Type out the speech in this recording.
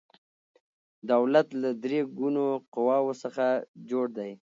دولت له درې ګونو قواو څخه جوړ دی